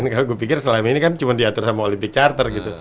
kalau gue pikir selama ini kan cuma diatur oleh olympic charter gitu